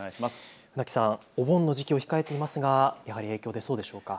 船木さん、お盆の時期を控えていますがやはり、影響、出そうでしょうか。